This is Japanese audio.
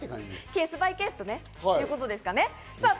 ケース・バイ・ケースということですかね。